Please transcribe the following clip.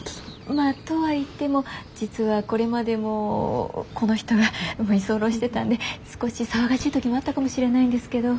まぁとはいっても実はこれまでもこの人が居候してたんで少し騒がしい時もあったかもしれないんですけど。